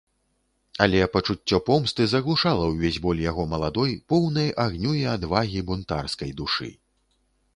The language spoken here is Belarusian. Але пачуццё помсты заглушала ўвесь боль яго маладой, поўнай агню і адвагі, бунтарскай душы.